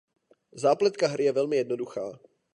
Zápletka hry je velmi jednoduchá.